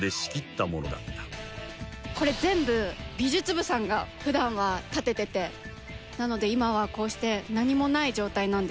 これ全部美術部さんが普段は立てててなので今はこうして何もない状態なんです。